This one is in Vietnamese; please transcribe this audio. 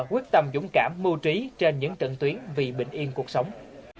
quyết tâm dũng cảm mưu trí trên những trận tuyến vì bình yên cuộc sống